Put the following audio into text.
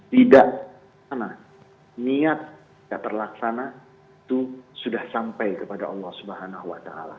tidak niat yang terlaksana itu sudah sampai kepada allah swt